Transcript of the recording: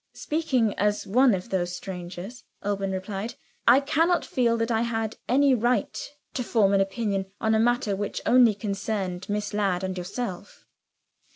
"Speaking as one of those strangers," Alban replied, "I cannot feel that I had any right to form an opinion, on a matter which only concerned Miss Ladd and yourself."